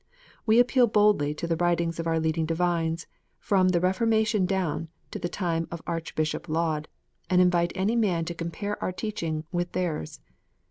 We appeal boldly to the writings of our leading Divines, from the Reforma tion down to the time of Archbishop Laud, and invite any man to compare our teaching with theirs.